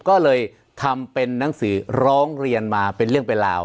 ก็เลยทำเป็นนังสือร้องเรียนมาเป็นเรื่องเป็นราว